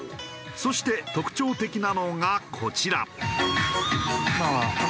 そして特徴的なのがこちら。